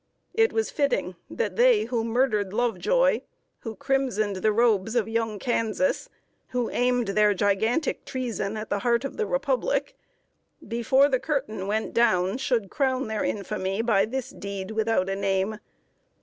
It was fitting that they who murdered Lovejoy, who crimsoned the robes of young Kansas, who aimed their gigantic Treason at the heart of the Republic, before the curtain went down, should crown their infamy by this deed without a name.